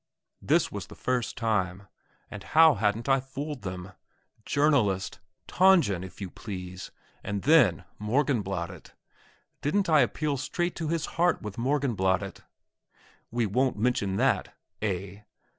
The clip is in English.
This was the first time, and how hadn't I fooled them? "Journalist! Tangen! if you please! and then Morgenbladet!" Didn't I appeal straight to his heart with Morgenbladet? "We won't mention that! Eh?